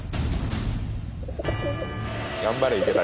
頑張れ池谷。